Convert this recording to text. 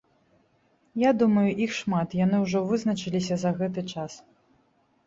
Я думаю, іх шмат, яны ўжо вызначыліся за гэты час.